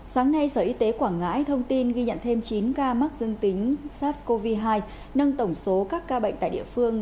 sáng nay sở y tế quảng ngãi thông tin ghi nhận thêm chín ca mắc dương tính sars cov hai nâng tổng số các ca bệnh tại địa phương